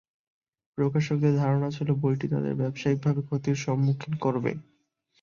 প্রকাশকদের ধারণা ছিল বইটি তাদের ব্যবসায়িকভাবে ক্ষতির সম্মুখীন করবে।